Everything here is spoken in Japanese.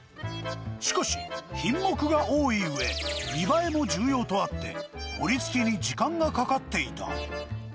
しかし、品目が多いうえ、見栄えも重要とあって、盛りつけに時間がかかっていた。